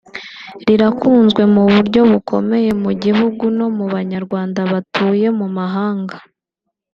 rirakunzwe mu buryo bukomeye mu gihugu no mu Banyarwanda batuye mu mahanga (Diaspora)